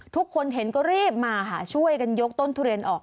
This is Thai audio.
ทุกคนเห็นก็รีบมาค่ะช่วยกันยกต้นทุเรียนออก